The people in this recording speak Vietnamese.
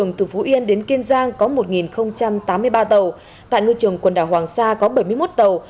nhiên đến kiên giang có một tám mươi ba tàu tại ngư trường quần đảo hoàng sa có bảy mươi một tàu